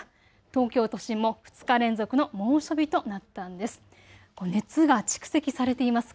東京都心も２日連続の猛暑日となったんです。